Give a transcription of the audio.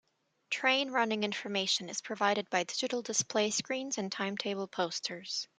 Train running information is provided by digital display screens and timetable posters.